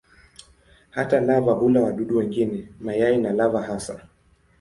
Hata lava hula wadudu wengine, mayai na lava hasa.